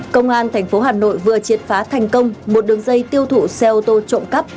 công an tp hà nội vừa triệt phá thành công một đường dây tiêu thụ xe ô tô trộm cắp